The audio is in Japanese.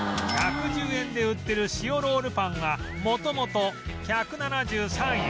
１１０円で売ってる塩ロールパンは元々１７３円